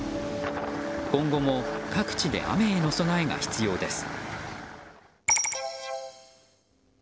今後も各地で雨への備えが必要です。